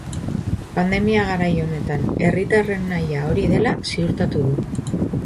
Pandemia garai honetan herritarren nahia hori dela ziurtatu du.